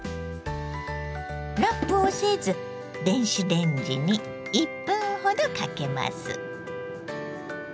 ラップをせず電子レンジに１分ほどかけます。